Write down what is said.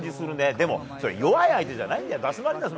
でも弱い相手じゃないからね。